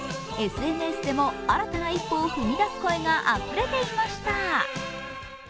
ＳＮＳでも新たな一歩を踏み出す声があふれていました。